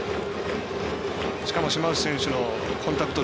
しかも島内選手のコンタクト率